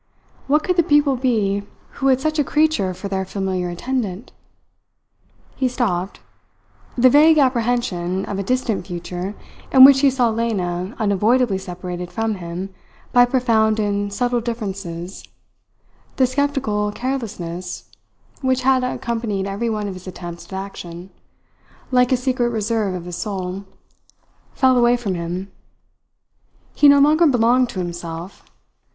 What could the people be who had such a creature for their familiar attendant? He stopped. The vague apprehension, of a distant future, in which he saw Lena unavoidably separated from him by profound and subtle differences; the sceptical carelessness which had accompanied every one of his attempts at action, like a secret reserve of his soul, fell away from him. He no longer belonged to himself.